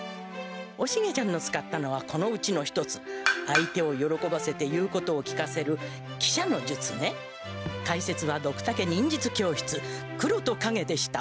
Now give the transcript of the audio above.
おシゲちゃんの使ったのはこのうちの１つ相手をよろこばせて言うことを聞かせるかいせつはドクタケ忍術教室黒戸カゲでした。